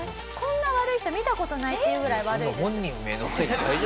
こんな悪い人見た事ないっていうぐらい悪いです。